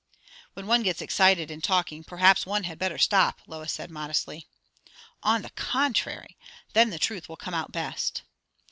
"When one gets excited in talking, perhaps one had better stop," Lois said modestly. "On the contrary! Then the truth will come out best."